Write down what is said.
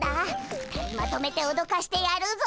２人まとめておどかしてやるぞ！